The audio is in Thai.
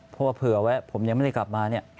เพราะว่าเผื่อว่าผมยังไม่ได้กลับมาเนี่ย